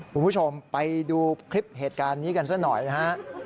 คุณผู้ชมไปดูคลิปเหตุการณ์นี้กันซะหน่อยนะฮะ